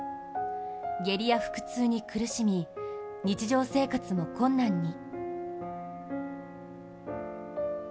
下痢や腹痛に苦しみ、日常生活も困難に。